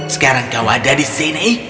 sekarang kau ada di sini